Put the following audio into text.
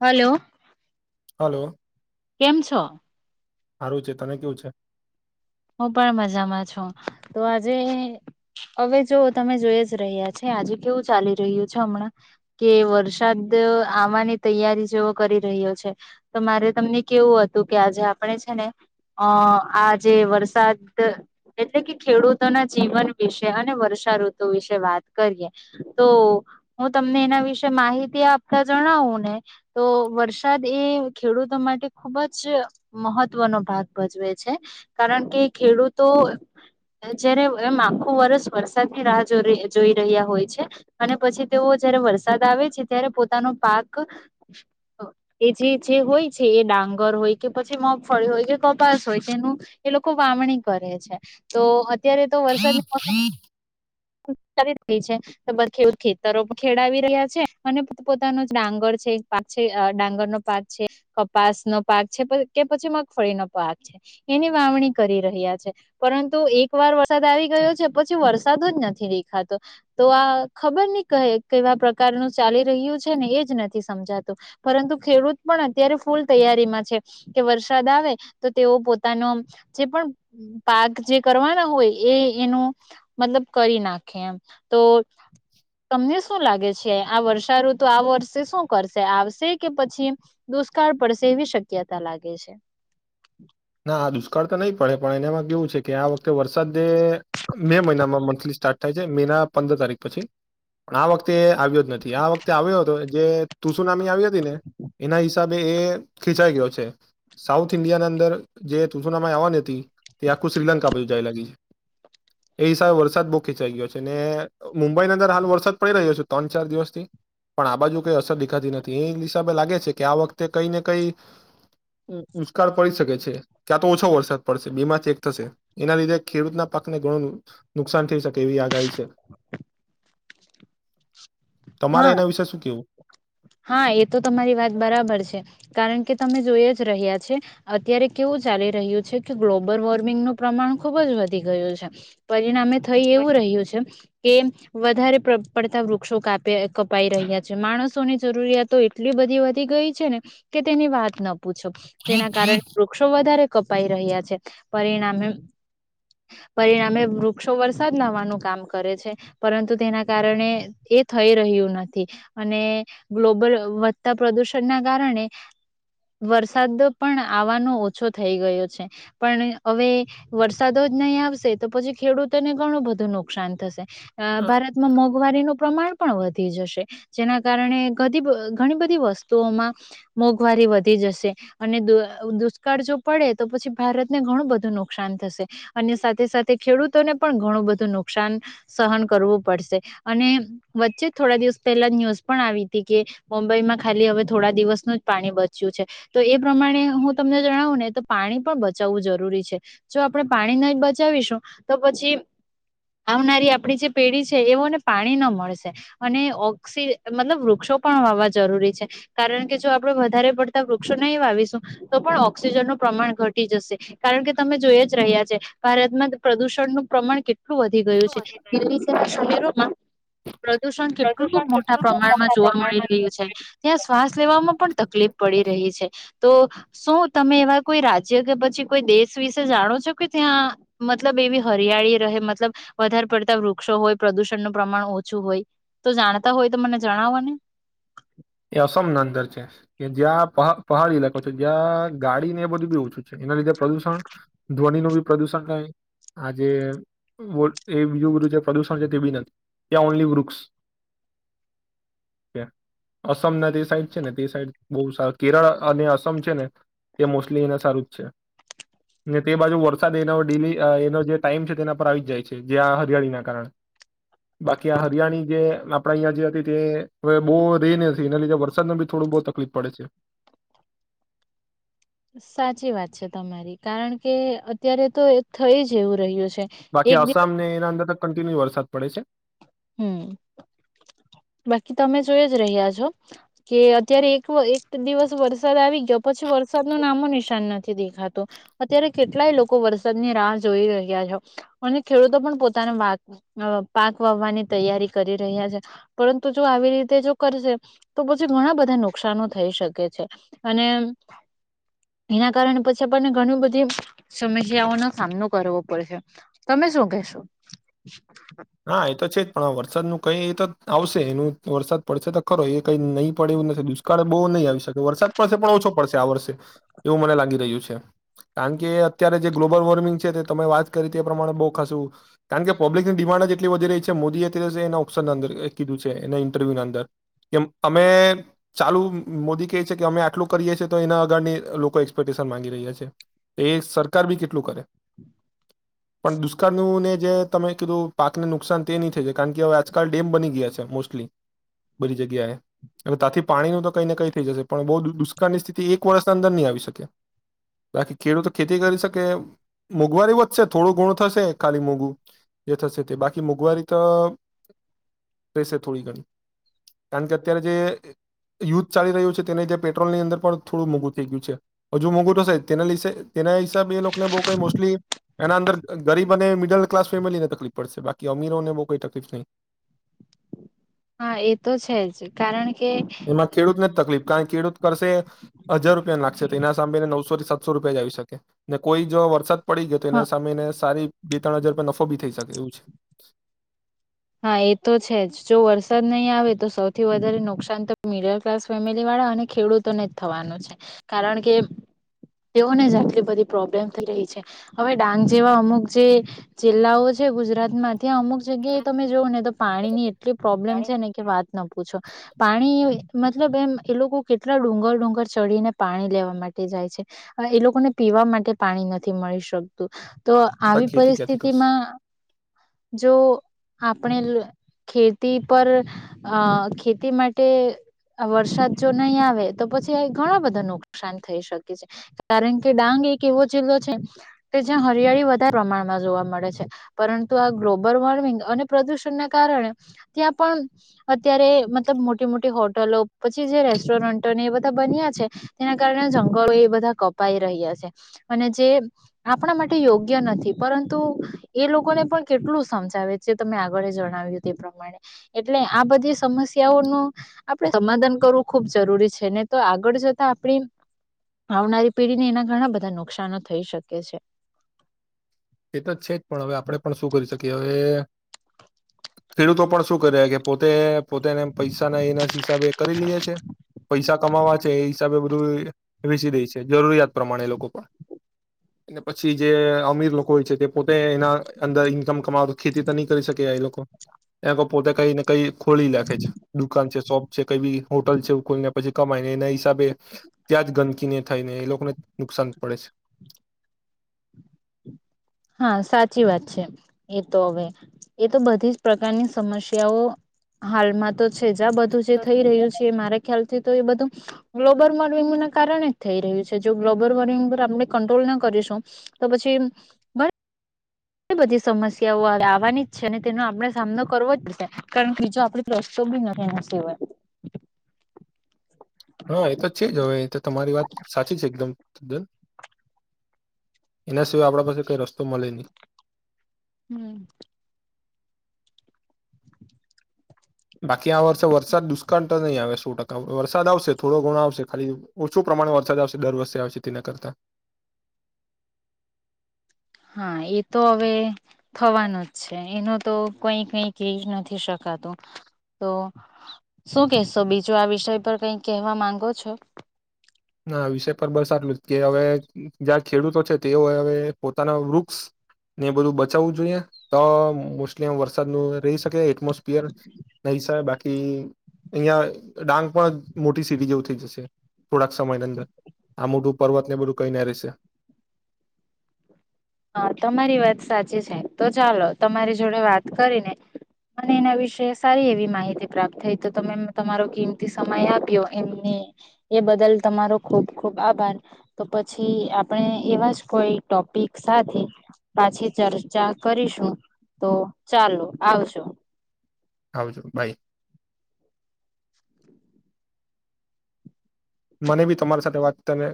Hello. Hello. કેમ છો. હારું છે તને કેવું છે. હું પણ મજામાં છું તો આજે હવે જો તમે જોઈ જ રહ્યા છે આજે કેવું ચાલી રહ્યું છે હમણાં કે વરસાદ આવાની તૈયારી જેવો કરી રહ્યો છે તો મારે તમને કેવું હતું કે આજે આપણે છે ને અ આજે વર વરસાદ એટલે કે ખેડૂતોના જીવન વિશે અને વર્ષાઋતુ વિશે વાત કરીએ તો હું તમને એના વિશે માહિતી આપતા જણાવુ ને તો વરસાદ એ ખેડૂતો માટે ખુબ જ મહત્વનો ભાગ ભજવે છે કારણ કે ખેડૂતો જયારે એમ આખુ વર્ષ વરસાદની રાહ જો જોઈ રહ્યા હોય છે અને પછી તેઓ જયારે વરસાદ આવે છે ત્યારે પોતાનો પાક એ જે જે હોય છે એ ડાંગર હોય કે પછી મગફળી હોય કે કપાસ હોય તેનું એ લો. વામણી કરે છે તો અત્યારે તો વરસાદની મોસમ રહી છે ખેતરો ખેડાવી રહ્યા છે અને પોતાનો ડાંગર છે પાક છે ડાંગર નો પાક છે કપાસ નો પાક છે કે પછી મગફળીનો પાક છે એની વાવણી કરી રહ્યા છે પરંતુ એક વાર વરસાદ આવી ગયો છે પછી વરસાદ જ નથી દેખાતો તો આ ખબર નહી કહે કેવા પ્રકારનું ચાલી રહ્યું છે ને એ જ નથી સમજાતું પરંતુ ખેડૂત પણ અત્યારે ફૂલ તૈયારીમા છે કે વરસાદ આવે તો તેઓ પોતાનો જે પણ પાક જે કરવાના હોય એ એનુ મતલબ કરી નાખે એમ તો તમને શું લાગે છે. છે આ વર્ષાઋત આ વર્ષે શું કરશે આવશે કે પછી દુષ્કાળ પડશે એવી શક્યતા લાગે છે. ના દુષ્કાળ તો નઈ પડે પણ એનામાં કેવું છે કે આ વખતે વરસાદ મે મહિનામાં મંથલી સ્ટાર્ટ થાય છે મે ના પંદર તારીખ પછી પણ આ વખતે એ આવ્યો જ નથી આ વખતે આવ્યો હતો જે તુસુનામી આવી હતી ને એના હિસાબે એ ખીંચાઈ ગયો છે સાઉથ ઇન્ડિયા ના અંદર જે તુસનામય આવવાની હતી તે આખું શ્રીલંકા બાજુ જાય લાગી છે એ હિસાબે વરસાદ બો ખેંચાઈ ગયો છે ને મુંબઈની અંદર હાલ વરસાદ પડી રહ્યો છે ત્રણ ચાર દિવસથી પણ આ બાજુ કઈ અસર દેખાતી નથી એ હિસાબે લાગે છે કે આ વખતે કઈ ને કઈ દુષ્કાળ પડી શકે છે. ક્યાં તો ઓછો વરસાદ પડશે બે માંથી એક થશે એના લીધે ખેડૂતના પાકને ઘણું નુકસાન થઈ શકે એવી આગાહી છે. તમારે હા એના વિશે શું કેવું હા એ તો તમારી વાત બરાબર છે કારણ કે તમે જોઈ જ રહ્યા છે અત્યારે કેવું ચાલી રહ્યું છે કે ગ્લોબલ વોર્મિંગનું પ્રમાણ ખુબ જ વધી ગયું છે પરિણામે થઈ એવું રહ્યું છે કે વધારે પડતા વૃક્ષો કા પે કપાઈ રહ્યા છે માણસોની જરૂરિયાતો એટલી બધી વધી ગઈ છે ને કે તેની વાત ન પૂછો જેના કારણે વૃક્ષો વધારે કપાઈ રહ્યા છે પરિણામે પરિણામે વૃક્ષો વરસાદ લાવાનું કામ કરે છે પરંતુ તેના કારણે એ થઈ રહ્યું નથી અને ગ્લોબલ વધતા પ્રદુષણના કારણે વરસાદ પણ આવાનો ઓછો થઈ ગયો છે પણ હવે વરસાદો જ નહીં આવશે તો પછી ખેડૂતોને ઘણું બધું નુકસાન થશે. અ ભારતમાં મો મોંઘવારીનું પ્રમાણ પણ વધી જશે જેના કારણે ધડી ઘણી બધી વસ્તુઓમાં મોંઘવારી વધી જશે અને દુ દુષ્કાળ જો પડે તો પછી ભારતને ઘણું બધું નુકસાન થશે અને સાથે સાથે ખેડૂતોને પણ ઘણું બધું નુકસાન સહન કરવું પડશે અને વચ્ચે થોડા દિવસ પહેલા ન્યુઝ પણ આવી હતી કે મુંબઈમાં ખાલી હવે થોડા દિવસનું જ પાણી બચ્યું છે તો એ પ્રમાણે હું તમને જણાવું ને તો પાણી પણ બચાવવું જરૂરી છે જો આપણે પાણી નય બચાવીશું તો પછી આવનારી આપણી જે પેઢી છે એવોને પાણી ન મળ સે અને ઓક્સી મતલબ વૃક્ષો પણ વાવવા જરૂરી છે કારણ કે જો આપડે વધારે પડતા વૃક્ષો નહી વાવીશું તો પણ ઓક્સિજન નું પ્રમાણ ઘટી જશે કારણ કે તમે જોય જ રહ્યા છે ભારતમાં પ્રદુષણ નું પ્રમાણ કેટ સુ વધી ગયું છે [unintelligible] રોમાં પ્રદુષણ કેટલું મોટા પ્રમાણમાં જોવા મળી રહ્યું છે ત્યાં શ્વાસ લેવામાં પણ તકલીફ પડી રહી છે. તો શું તમે એવા કોઈ રાજ્ય કે પછી કોઈ દેશ વિશે જાણો છો કે ત્યાં મતલબ એવી હરિયાળી રહે મતલબ વધારે પડતા વૃક્ષો હોય પ્રદુષણનું પ્રમાણ ઓ છું હોય તો જાણતા હોય તો મને જણાવો ને એ અસમ ના અંદર છે કે જ્યાં પહા પહાડી ઈલાકો છે જ્યાં ગાડીને એ બધું બી ઓછું છે એના લીધે પ્રદુષણ ધ્વનિ નું બી પ્રદુષણ થાય આ જે એ બીજું બું પ્રદુષણ છે તે બી નથી ત ઓનલી વૃક્ષ અસમના જે સાઈડ છે ને તે સાઈડ બહુ સારો કેરળ અને અસમ છે ને તે મોસ્ટલી એને સારું જ છે ને તે બાજુ વરસાદ એનો ડેલી એનો જે ટાઈમ છે તેના પર આવી જ જાય છે જયા હરિયાણીના કારણે બાકી આ હરિયાણી જે આપણા અહીંયા જે હતી તે હવે બો રે થી એના લીધે વરસાદમાં બી થોડું બો તકલીફ પડે છે. સાચી વાત છે તમારી કારણ કે અત્યારે તો થઈ જવું રહ્યું છે. બાકી એક દિવસ આસામ ને એના અંદર ત કન્ટિન્યુ વરસાદ પડે છે. હમ બાકી તમે જોઈ જ રહ્યા છો કે અત્યારે એક એક દિવસ વરસાદ આવી ગયો પછી વરસાદ ન નામો નિશાન નથી દેખાતું અત્યારે કેટલાય લોકો વરસાદની રાહ જોઈ રહ્યા છો અને ખેડૂતો પણ પોતાના વા અ પાક વાવવાની તૈયારી કરી રહ્યા છે પરંતુ જો આવી રીતે જો કરશે તો પછી ઘણા બધા નુકશનો થઈ શકે છે અને એના કારણે પછી આપણને ઘણી બધી સમસ્યાઓનો સામનો કરવો પડશે તમે શું કેશો હા એ તો છે જ પણ વરસાદનું કઈ એ તો આવશે એનું વરસાદ પડશે તો ખરો એ કઈ નહીં પડે એ નથી દુષ્કાળ બો નહીં આવી શકે વરસાદ પડશે પણ ઓછો પડશે આ વર્ષે એવું મને લાગી રહ્યું છે કારણ કે અત્યારે જે ગ્લોબલ વોર્મિંગ છે તે તમે વાત કરી તે એ પ્રમાણે બો ખાસું કારણ કે પબ્લિકની ડિમાન્ડ જ એટલી વધી રહી છે મોદી એ અત્યારે એના ઓપ્શન અંદર કીધું છે એના ઇન્ટરવ્યુ ના અંદર કે અમે ચાલુ મોદી કે છે કે અમે આટલું કરીએ છીએ તો એના આગળની લોકો એક્સપેક્ટેશન માંગી રહ્યા છે એ સરકાર બી કેટલું કરે પણ દુષ્કાળનુંને જે તમે કીધું પાકને નુકસાન તે ની થઈ જાય કારણ કે હવે આજકાલ ડેમ બની ગયા છે મોસ્ટલી બધી જગ્યાએ હવે ત્યાંથી પાણીનું તો કંઈ ને કંઈ થઈ જશે પણ બહુ દુષ્કાળની સ્થિતિ એક વર્ષના અંદર નહી આવી શકે બાકી ખેડૂતો ખેતી કરી શકે મોંઘવારી વધશે થોડું ઘણું થશે ખાલી મોંઘું જે થશે બાકી મોંઘવારી તો રહેશે થોડી ઘણી કારણ કે અત્યારે જે યુદ્વ ચાલી રહ્યું છે તેને જે પેટ્રોલની અંદર પણ થોડું મોંઘું થઈ ગયું છે હજુ મોંઘું થશે તેના લીસે તેના હિસાબે એ લોકોને બો કઈ મોસ્ટલી એના અંદર ગરીબ અને મિડલ ક્લાસ ફેમિલીને તકલીફ પડશે બાકી અમીરોને બો કોઈ તકલીફ નહી હા એ તો છે જ કારણ કે કાઈ ખેડૂત કરશે હજાર રૂપિયા લાગશે તો એના સાંભળને નવોથી સાતસો રૂપિયા જ આવી શકે ને કોઈ જો વરસાદ પડી ગયો હતો હ એના સામે ને સારી બે ત્રણ હજાર પર નફો બી થઈ શકે એવુ હા એ તો છે જ જો વરસાદ નહી આવે તો સૌથી વધારે નુકસાન તો મિડલ ક્લાસ ફેમિલી વાળા અને ખેડૂતોને જ થવાનો છે કારણ કે તેઓને જ આટલી બધી પ્રોબ્લેમ થઈ રહી છે હવે ડાંગ જેવા અમુક જે જિલ્લાઓ છે. ગુજરાતમાં ત્યા અમુક જગ્યાએ જોવુ ને તો પાણીની એટલી પ્રોબ્લેમ છે, ને કે વાત ન પૂછો પાણી મતલબ એમ એ લોકો કેટલા ડુંગર ડુંગર ચડીને પાણી લેવા માટે જાય છે, એ લોકોને પીવા માટે પાણી નથી મળી શકતું. તો આ આવી ખેતી ક્યાંથી કરશે પરિસ્થિતિમાં જો આપણે એલું ખેતી પર અ ખેતી માટે વરસાદ જો નહીં આવે તો પછી ઘણા બધા નુકસાન થઈ શકે છે, કારણ કે ડાંગ એક એવો જિલ્લો છે કે જ્યાં હરિયાળી વધારે પ્રમાણમાં જોવા મળે છે. પરંતુ આ ગ્લોબલ વોર્મિંગ અને પ્રદૂષણ ના કારણે ત્યાં પણ અત્યારે મતલબ મોટી મોટી હોટલો પછી જે રેસ્ટોરન્ટોને એ બધા બન્યા છે, તેના કારણે જંગલો એ બધા કપાઈ રહ્યા છે અને જે આપણા માટે યોગ્ય નથી પરંતુ એ લોકોને પણ કેટલું સમજાવે છે. તમે આગળ જણાવ્યું તે પ્રમાણે એટલે આ બધી સમસ્યાઓનું આપણે સમાધાન કરવું ખૂબ જરૂરી છે. ને તો આગળ જતા આપણી આવનારી પેઢીને એના ઘણા બધા નુકશનો થઈ શકે છે. એ તો છે જ પણ હવે આપણેે પણ, શું કરી શકીએ? કે હવે ખેડૂતો પણ શું કરે કે પોતે પોતેને પૈસાના એના હિસાબે કરી લઈએ છે. પૈસા કમાવા છે એ હિસાબે બધું વેચી દે છે. જરૂરિયાત પ્રમાણે એ લોકો પણ એ પછી જે અમીર લોકો કોય છે તે પોતે એના અંદર ઈન્કમ કમાવ ખેતી તો નહી કરી શકે એ લોકો એ પોતે કઈને કઈ ખોલી રાખે છે. દુકાન છે. શોપ છે કઈ બી હોટલ છે. ખોલીને પછી કમાયને એના હિસાબે ત્યાં જ ગંદકીને થાય ને એ લોકોને નુકસાન પડે છે. હા સાચી વાત છે. એ તો હવે એ તો બધી જ પ્રકારની સમસ્યાઓ હાલમાં તો છે જ બધું જે થઈ રહ્યું છે. મારે ખ્યાલથી તો એ બધું ગ્લોબલ વોર્મિંગ ના કારણે જ થઈ રહ્યું છે. જો ગ્લોબલ વોર્મિંગ પર આપણે કંટ્રોલ ના કરીશું તો પછી બ [inaudible] એ બધી સમસ્યાઓ આવવાની જ છે અને તેનો આપણે સામનો કરવો જ પડશે કારણ કે બીજો આપડ પ્રશ્તો બી નથી એના સિવાય હા એ તો છે જ હવે તો તમારી વાત સાચી છે. એક તદ્દન એના સિવાય આપડા પાસે કઈ રસ્તો મલે ની હમ. બા. કી આ વષે વરસાદ દુષ્કાળ તો નહીં આવે સો ટકા વરસાદ આવશે થોડો ઘણો આવશે. ખાલી ઓછું પ્રમાણે વરસાદ આવશે દર વર્ષે આવશે તેના કરતા. હા એ તો હવે થવાનું જ છે. એનું તો કઈ કઈ ક નથી શકાતું તો શું કેશો બીજું આ વિષય પર કઈ કહેવા માંગો છો? ના વિષય પર બસ આટલું જ કે હવે જ્યાં ખેડૂતો છે તેઓ હવે પોતાના વૃક્ષ ને બધું બચાવવું જોઈએ તો મોસ્ટલી આ વરસાદ ન રહી શકે એટમોસફિયર નહી શ બાકી અહં ડાંગ પણ મોટી સીટી જેવું થઈ જશે. થોડાક સમયની અંદર આ મોટું પર્વત ને બધું કઈને રહેશે. હા તમારી વાત સાચી છે, તો ચાલો તમારી જોડે વાત કરીને મને એના વિશે સારી એવી માહિતી પ્રાપ્ત થઈ, તો તમે તમારો કિંમતી સમય આપ્યો એમને એ બદલ તમારો ખુબ ખુબ આભાર તો પછી આપણે એવા જ કોઈ ટોપિક સાથે પાછી ચર્ચા કરીશું તો ચાલો આવજો આવજો બાય. મને બી તમારી સાથે વાત કરી ને